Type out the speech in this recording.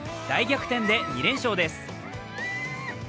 大逆転で２連勝です。